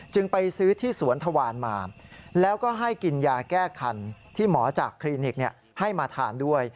ไปซื้อที่สวนทวารมาแล้วก็ให้กินยาแก้คันที่หมอจากคลินิกให้มาทานด้วย